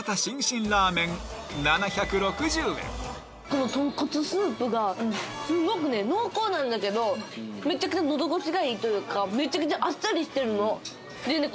この豚骨スープがすごくね濃厚なんだけどめちゃくちゃ喉越しがいいというかめちゃくちゃあっさりしてるのでね